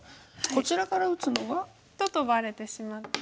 こちらから打つのは？とトバれてしまって。